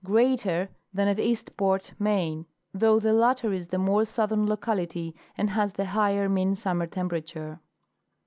greater than at Eastport, Maine, though the latter is the more southern locality and has the higher mean summer temperature.